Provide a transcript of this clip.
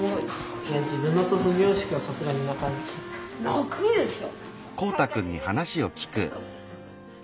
泣くでしょ。